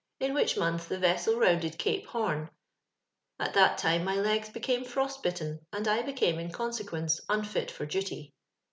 in which mouth the vessod rounded Cape Ilorno, at tluit time my legs bocaine frost bitten, and 1 beciime in cou^equunco imfit for duty.